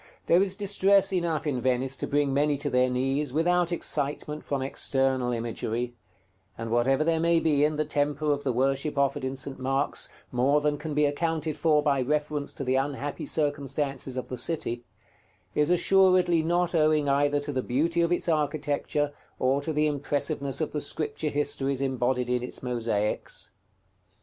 There is distress enough in Venice to bring many to their knees, without excitement from external imagery; and whatever there may be in the temper of the worship offered in St. Mark's more than can be accounted for by reference to the unhappy circumstances of the city, is assuredly not owing either to the beauty of its architecture or to the impressiveness of the Scripture histories embodied in its mosaics.